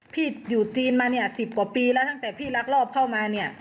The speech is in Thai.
พี่อยู่จีนมาเนี่ย๑๐กว่าปีแล้วตั้งแต่พี่รักรอบเข้ามาเนี่ย